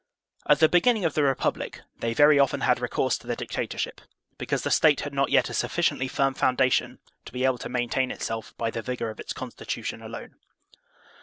At the beginning of the Republic they very often had recourse to the* dictatorship, because the State had not yet a sufficiently firm foundation to be able to maintain itself by the vigor of its constitution alone.